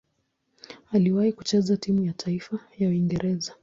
Aliwahi kucheza timu ya taifa ya Uingereza.